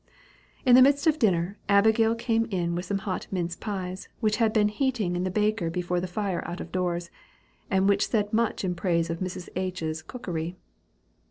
In the midst of dinner, Abigail came in with some hot mince pies, which had been heating in the baker before the fire out of doors, and which said much in praise of Mrs. H.'s cookery.